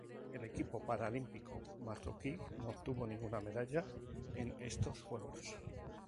El equipo paralímpico marroquí no obtuvo ninguna medalla en estos Juegos.